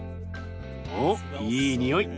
おっいいにおい！